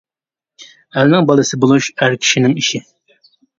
ئەلنىڭ بالىسى بولۇش ئەر كىشىنىڭ ئىشى.